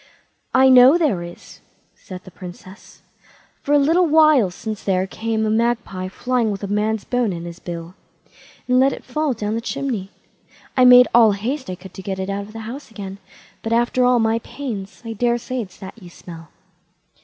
"I know there is", said the Princess; "for a little while since there came a magpie flying with a man's bone in his bill, and let it fall down the chimney. I made all the haste I could to get it out of the house again; but after all my pains, I daresay it's that you smell."